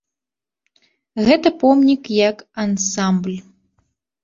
Гэта помнік як ансамбль.